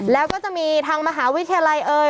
แล้วก็จะมีทางมหาวิทยาลัยเอ่ย